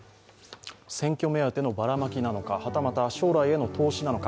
選挙目当てのバラマキなのか、はたまた将来への投資なのか。